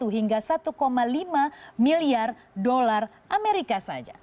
satu hingga satu lima miliar dolar amerika saja